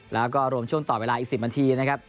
แล้วก็รวมช่วงต่อเวลาอีก๑๐นาทีนะครับ